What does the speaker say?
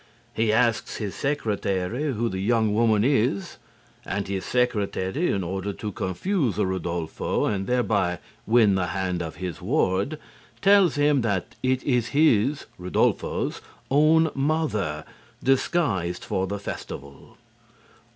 He asks of his secretary who the young woman is, and his secretary, in order to confuse Rudolpho and thereby win the hand of his ward, tells him that it is his (Rudolpho's) own mother, disguised for the festival.